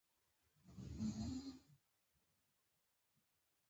ځان ته د مطالعې فهرست جوړول